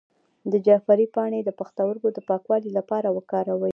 د جعفری پاڼې د پښتورګو د پاکوالي لپاره وکاروئ